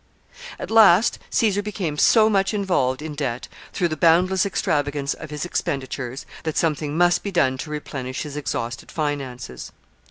] At last Caesar became so much involved in debt, through the boundless extravagance of his expenditures, that something must be done to replenish his exhausted finances.